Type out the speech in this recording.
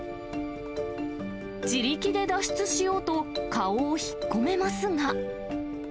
自力で脱出しようと、顔を引っ込めますが。